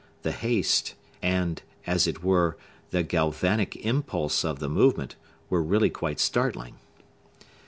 The haste, and, as it were, the galvanic impulse of the movement, were really quite startling.